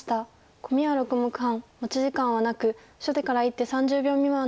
コミは６目半持ち時間はなく初手から１手３０秒未満で打って頂きます。